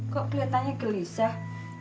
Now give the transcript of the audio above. kok kelihatannya gelisah